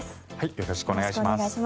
よろしくお願いします。